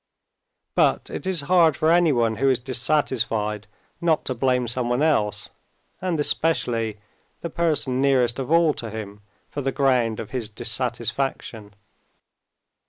But it is hard for anyone who is dissatisfied not to blame someone else, and especially the person nearest of all to him, for the ground of his dissatisfaction.